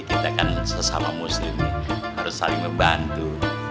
kita kan sesama muslim nih harus saling membantu